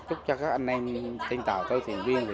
chúc cho các anh em tin tỏ tôi thành viên